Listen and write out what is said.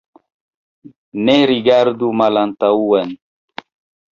Ne rigardu malantaŭen.